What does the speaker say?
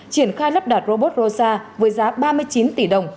triển khai lắp đặt robot rosa với giá ba mươi chín tỷ đồng